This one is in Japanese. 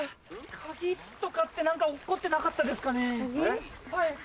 鍵とかって何か落っこってなかったですかね？